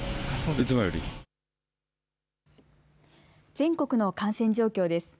全国の感染状況です。